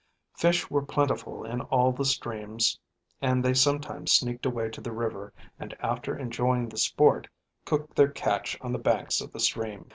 Fish were plentiful in all the streams and they sometimes sneaked away to the river and after enjoying the sport, cooked their catch on the banks of the stream.